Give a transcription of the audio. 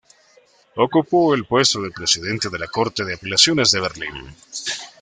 Ocupó el puesto de presidente de la Corte de Apelaciones de Berlín.